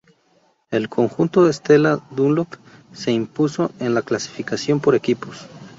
El conjunto Stella-Dunlop se impuso en la clasificación por equipos.